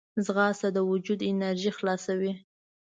ځغاسته د وجود انرژي خلاصوي